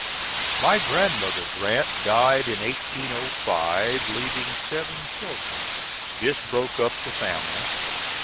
My grandmother Grant died in 1805, leaving seven children. This broke up the family.